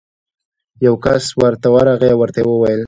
یو کس ورته ورغی او ورته ویې ویل: